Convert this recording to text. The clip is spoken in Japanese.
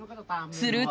すると。